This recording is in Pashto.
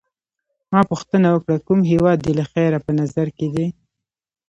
ما پوښتنه وکړه: کوم هیواد دي له خیره په نظر کي دی؟